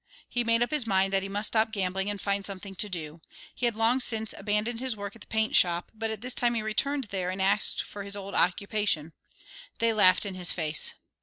He made up his mind that he must stop gambling and find something to do. He had long since abandoned his work at the paint shop, but at this time he returned there and asked for his old occupation. They laughed in his face.